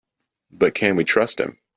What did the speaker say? But can we trust him?